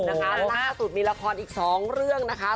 ที่ล่าสุดมีรากรอีก๒เรื่องนะคะ